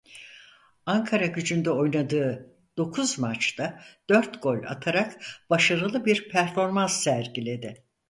Ankaragücü'nde oynadığı dokuz maçta dört gol atarak başarılı bir performans sergiledi.